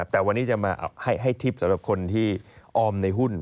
แต่วันนี้จะมาให้ทริปสำหรับคนที่ออมในหุ้น